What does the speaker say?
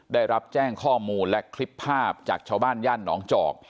ได้รับแจ้งข้อมูลและคลิปภาพจากชาวบ้านย่านหนองจอก